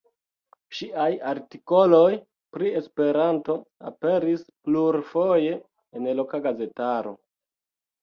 Ŝiaj artikoloj pri Esperanto aperis plurfoje en loka gazetaro.